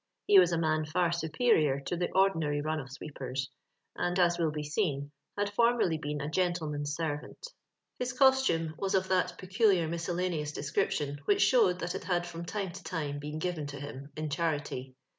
He was a man far superior to the ordinaiy run of sweepers, and, as will be seen, had fomierly been a gentleman's sen ant. His costume was of that peculiar miscellaneous description which showed that il had from time to time been given to him in charity.